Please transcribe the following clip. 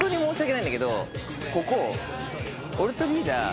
ここ。